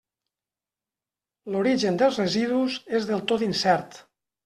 L'origen dels residus és del tot incert.